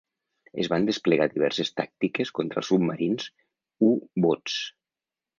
Es van desplegar diverses tàctiques contra els submarins U-boots.